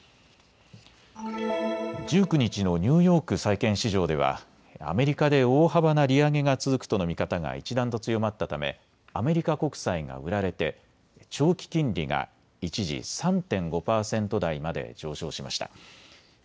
１９日のニューヨーク債券市場ではアメリカで大幅な利上げが続くとの見方が一段と強まったためアメリカ国債が売られて長期金利が一時、３．５％台まで上昇しました。